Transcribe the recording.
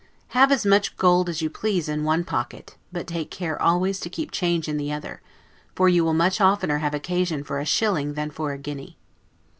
Have as much gold as you please in one pocket, but take care always to keep change in the other; for you will much oftener have occasion for a shilling than for a guinea.